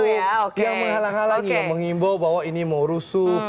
bahwa ada gundurwo yang menghalang halangi yang mengimbau bahwa ini mau rusuh